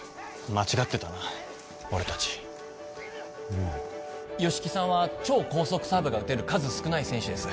間違ってたな俺達うん吉木さんは超高速サーブが打てる数少ない選手です